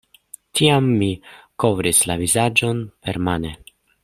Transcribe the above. Tiam mi kovris la vizaĝon permane.